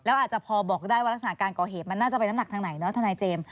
แล้วอาจจะพอบอกได้ว่ารักษณะการก่อเหตุมันน่าจะเป็นน้ำหนักทางไหนเนาะทนายเจมส์